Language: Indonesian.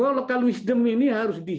loh lokal wisdom ini harus dihiasi